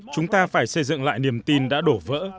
chúng ta phải xây dựng lại niềm tin đã đổ vỡ